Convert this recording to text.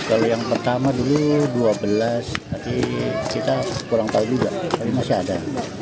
kalau yang pertama dulu dua belas tapi kita kurang tahu juga tapi masih ada